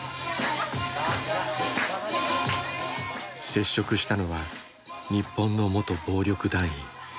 接触したのは日本の元暴力団員。